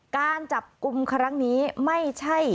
การจับกลุ่มครั้งนี้ไม่ใช่